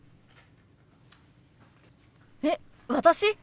えっ私？